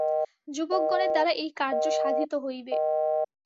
যুবকগণের দ্বারা এই কার্য সাধিত হইবে।